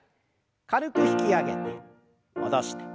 軽く引き上げて戻して。